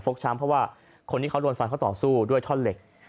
ช้ำเพราะว่าคนที่เขาโดนฟันเขาต่อสู้ด้วยท่อนเหล็ก